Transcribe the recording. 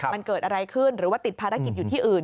มันเกิดอะไรขึ้นหรือว่าติดภารกิจอยู่ที่อื่น